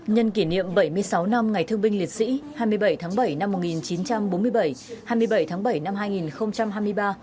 nhân kỷ niệm bảy mươi sáu năm ngày thương binh liệt sĩ hai mươi bảy tháng bảy năm một nghìn chín trăm bốn mươi bảy hai mươi bảy tháng bảy năm hai nghìn hai mươi ba